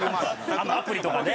アプリとかで？